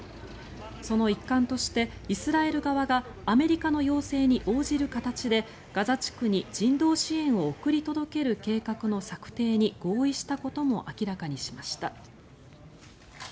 その一環としてイスラエル側がアメリカの要請に応じる形でガザ地区に人道支援を送り届ける計画の策定に合意したことも明らかにしました。